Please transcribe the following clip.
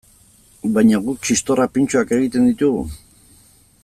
Baina guk txistorra pintxoak egiten ditugu?